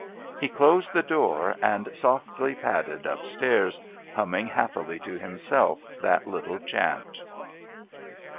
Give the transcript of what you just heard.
He closed the door and softly padded upstairs, humming happily to himself that little chant.